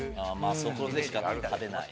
そこでしか食べない。